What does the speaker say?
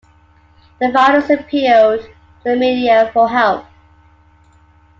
The founders appealed to the media for help.